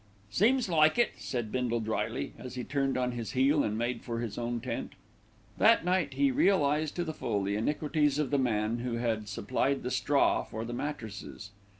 "Seems like it," said Bindle drily, as he turned on his heel and made for his own tent. That night, he realised to the full the iniquities of the man who had supplied the straw for the mattresses.